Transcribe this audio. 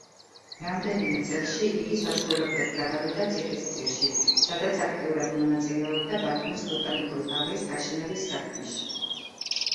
რამდენიმე წელში იგი საცხოვრებლად გადავიდა ციხისძირში, სადაც აქტიურად მონაწილეობდა ბათუმის ბოტანიკური ბაღის გაშენების საქმეში.